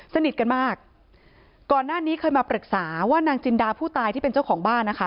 สนิทกันมากก่อนหน้านี้เคยมาปรึกษาว่านางจินดาผู้ตายที่เป็นเจ้าของบ้านนะคะ